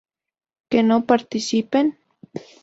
¿que no partiesen?